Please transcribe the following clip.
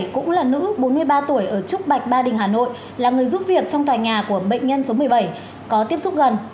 còn bệnh nhân số bốn mươi bảy cũng là nữ bốn mươi ba tuổi ở trúc bạch ba đình hà nội là người giúp việc trong tòa nhà của bệnh nhân số một mươi bảy có tiếp xúc gần